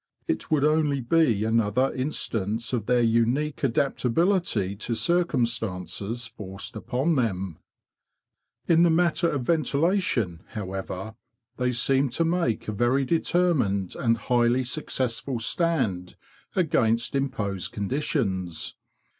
It would only be another instance of 142 THE BEE MASTER OF WARRILOW their unique adaptability to circumstances forced upon them. In the matter of ventilation, however, they seem to make a very determined and highly successful stand against imposed conditions.